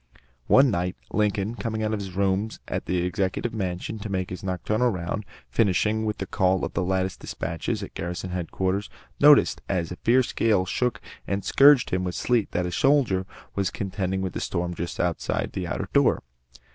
One night, Lincoln, coming out of his rooms at the Executive Mansion to make his nocturnal round, finishing with the call for the latest despatches at garrison headquarters, noticed as the fierce gale shook him and scourged him with sleet, that a soldier was contending with the storm just outside the outer door.